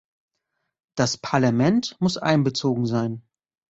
Das Parlament muss einbezogen sein.